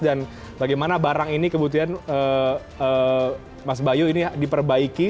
dan bagaimana barang ini kebutuhan mas bayu ini diperbaiki